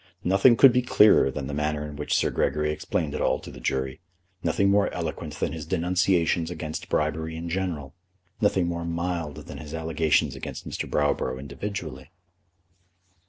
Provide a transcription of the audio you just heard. Nothing could be clearer than the manner in which Sir Gregory explained it all to the jury; nothing more eloquent than his denunciations against bribery in general; nothing more mild than his allegations against Mr. Browborough individually.